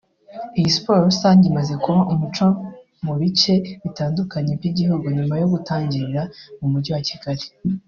Iyi siporo rusange imaze kuba umuco mu bice bitandukanye by’igihugu nyuma yo gutangirira mu mujyi wa Kigali